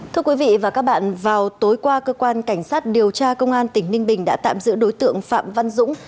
thưa quý vị và các bạn vào tối qua cơ quan cảnh sát điều tra công an tỉnh ninh bình đã tạm giữ đối tượng phạm văn dũng